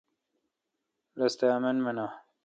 رستہ آمن مینا۔